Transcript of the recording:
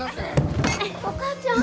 お母ちゃん？